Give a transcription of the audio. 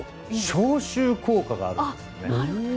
消臭効果があるんですね。